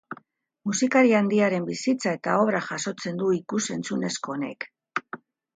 Musikari handiaren bizitza eta obra jasotzen du ikus-entzunezko honek.